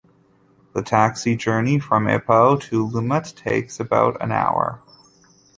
The taxi journey from Ipoh to Lumut takes about an hour.